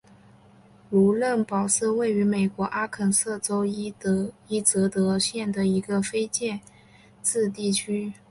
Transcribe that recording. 卢嫩堡是位于美国阿肯色州伊泽德县的一个非建制地区。